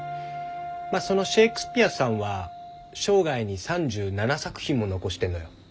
まあそのシェークスピヤさんは生涯に３７作品も残してんのよ。